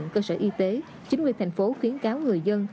cơ sở y tế chính quyền thành phố khuyến cáo người dân